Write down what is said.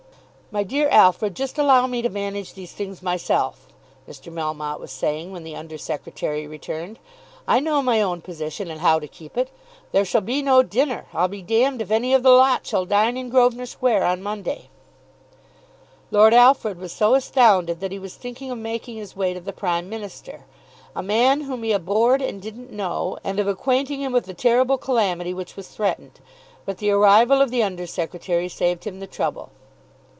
"My dear Alfred, just allow me to manage these things myself," Mr. Melmotte was saying when the under secretary returned. "I know my own position and how to keep it. There shall be no dinner. I'll be d if any of the lot shall dine in Grosvenor Square on Monday." Lord Alfred was so astounded that he was thinking of making his way to the Prime Minister, a man whom he abhorred and didn't know, and of acquainting him with the terrible calamity which was threatened. But the arrival of the under secretary saved him the trouble.